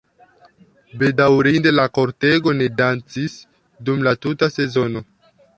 Bedaŭrinde, la kortego ne dancis dum la tuta sezono.